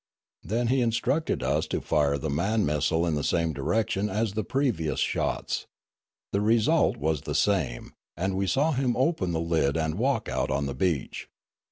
Then he instructed us to fire the man missile in the same direction as the previous shots. The result was the same, and we saw him open the lid and walk out on the beach.